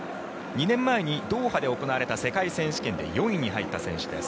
２年前にドーハで行われた世界選手権で４位に入った選手です。